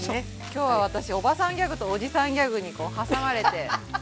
きょうは私おばさんギャグとおじさんギャグに挟まれて。